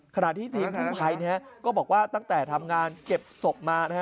ขณะที่ทีมกู้ภัยก็บอกว่าตั้งแต่ทำงานเก็บศพมานะฮะ